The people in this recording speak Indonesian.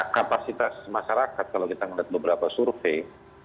kapasitas masyarakat kalau kita melihat beberapa survei